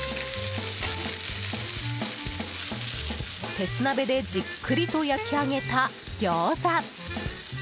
鉄鍋でじっくりと焼き上げた餃子。